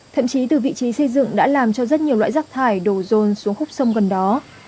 thậm chí từ vị trí xây dựng đã làm cho rất nhiều loại rác thải đổ rồn xuống khúc sông gần đó